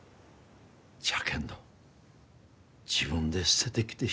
じゃけんど自分で捨ててきてしもうたがよ。